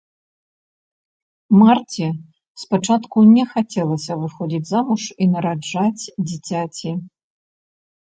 Марце спачатку не хацелася выходзіць замуж і нараджаць дзіцяці.